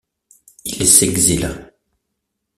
Il s'exila.